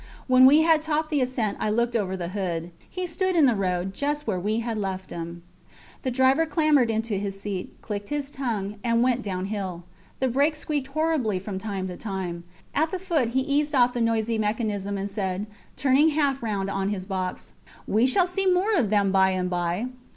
When we had topped the ascent I looked over the hood. He stood in the road just where we had left him. The driver clambered into his seat, clicked his tongue, and we went downhill. The brake squeaked horribly from time to time. At the foot he eased off the noisy mechanism and said, turning half round on his box We shall see some more of them by and by.